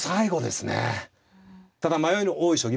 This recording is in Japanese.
ただ迷いの多い将棋。